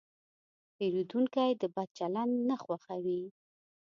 پیرودونکی د بد چلند نه خوښوي.